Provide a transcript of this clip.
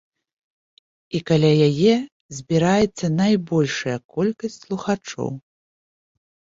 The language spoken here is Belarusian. І каля яе збіраецца найбольшая колькасць слухачоў.